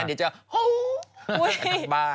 วัววัว